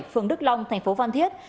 phường đức long tp phan thiết